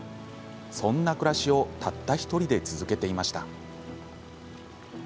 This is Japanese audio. そんな暮らしをたった１人で続けていました。